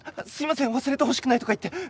すいません忘れてほしくないとか言って。